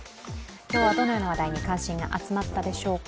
今日はどのような話題に関心が集まったでしょうか。